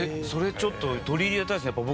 それちょっと取り入れたいですね。